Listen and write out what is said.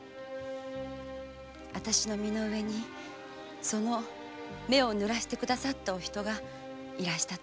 あたしの身の上にその目をぬらしてくださった人がいらしたと。